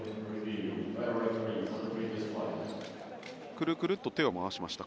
くるくるっと手を回しました。